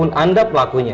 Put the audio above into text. bukankah anda pelakunya